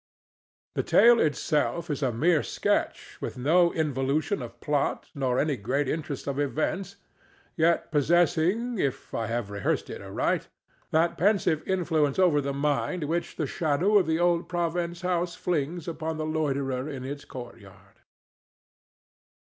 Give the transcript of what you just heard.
The tale itself is a mere sketch with no involution of plot nor any great interest of events, yet possessing, if I have rehearsed it aright, that pensive influence over the mind which the shadow of the old Province House flings upon the loiterer in its court yard.